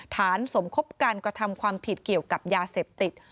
สมคบการกระทำความผิดเกี่ยวกับยาเสพติด